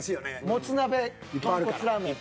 もつ鍋豚骨ラーメン。